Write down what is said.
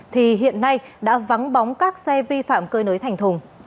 thì hiện nay đã vắng bóng các xe vi phạm cơi nới thành thùng